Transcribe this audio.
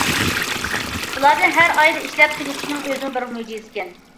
بۇلارنى ھەر ئايدا ئىشلەپ تۈگىتىشنىڭ ئۆزىمۇ- بىر مۆجىزىكەن.